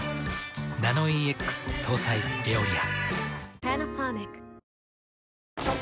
ナノイーＸ搭載「エオリア」。